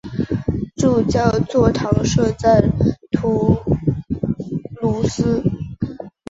主教座堂设在图卢兹。